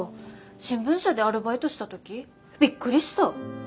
新聞社でアルバイトした時びっくりした。